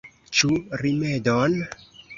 Ĉu rimedon?